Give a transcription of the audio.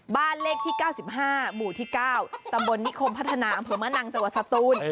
บ้านเลขที่๙๕หมู่ที่๙ตำบลนิคมพัฒนาอำเภอมะนังจังหวัดสตูน